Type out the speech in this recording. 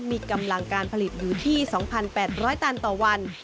มีกำลังการผลิตอยู่ที่๒๘๐๐ตันต่อวัน